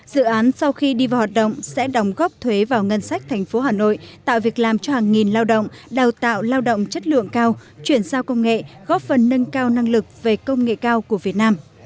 dự án sau khi đi vào hoạt động sẽ đồng góp thuế vào ngân sách thành phố hà nội tạo việc làm cho hàng nghìn lao động đào tạo lao động chất lượng cao chuyển giao công nghệ góp phần nâng cao năng lực về công nghệ cao của việt nam